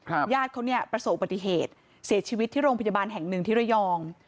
ญาติเขาเนี่ยประสบปฏิเหตุเสียชีวิตที่โรงพยาบาลแห่งหนึ่งที่ระยอง